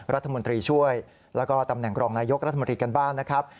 รัฐมนตรีช่วยแล้วก็ตำแหน่งรองนายกรัฐมนตรีกันบ้างนะครับ